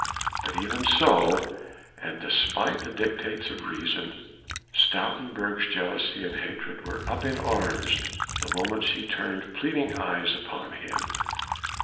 But even so, and despite the dictates of reason, Stoutenburg's jealousy and hatred were up in arms the moment she turned pleading eyes upon him.